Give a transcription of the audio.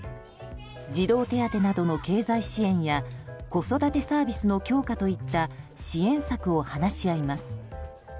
児童手当などの経済支援や子育てサービスの強化といった支援策を話し合います。